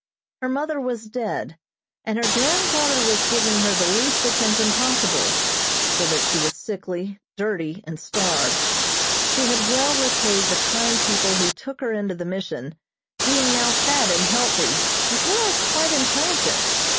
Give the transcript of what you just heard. Her mother was dead, and her grandfather was giving her the least attention possible, so that she was sickly, dirty and starved. She had well repaid the kind people who took her into the Mission, being now fat and healthy, as well as quite intelligent.